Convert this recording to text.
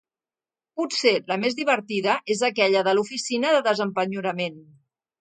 Potser la més divertida és aquella de l'oficina de desempenyorament.